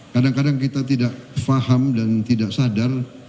kadang kadang kita tidak faham dan tidak sadar